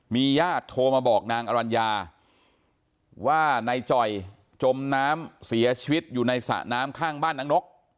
มีญาติโทรมาบอกนางอรัญญาว่านายจ่อยจมน้ำเสียชีวิตอยู่ในสระน้ำข้างบ้านนางนก